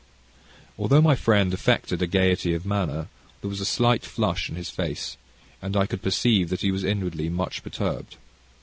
Although my friend affected a gaiety of manner, there was a slight flush in his face, and I could perceive that he was inwardly much perturbed.